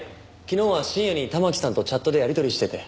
昨日は深夜に環さんとチャットでやり取りしてて。